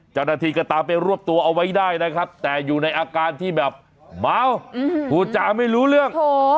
เจ้าหน้าที่ก็ตามไปรวบตัวเอาไว้ได้นะครับแต่อยู่ในอาการที่แบบเมาพูดจาไม่รู้เรื่อง